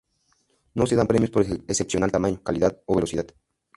No se dan premios por excepcional tamaño, calidad o velocidad.